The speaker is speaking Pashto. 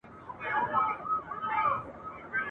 د سړک پر غاړه تور څادر رپېږي ..